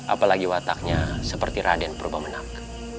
apalagi wataknya seperti raden purba menang